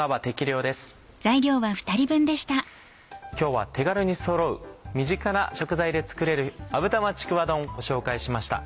今日は手軽にそろう身近な食材で作れる「あぶ玉ちくわ丼」ご紹介しました。